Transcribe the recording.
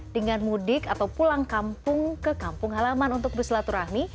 dengan mudik atau pulang kampung ke kampung halaman untuk bersilaturahmi